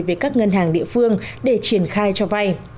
về các ngân hàng địa phương để triển khai cho vay